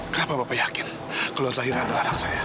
kenapa bapak yakin kalau syahirah adalah anak saya